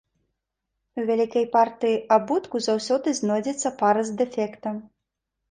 У вялікай партыі абутку заўсёды знойдзецца пара з дэфектам.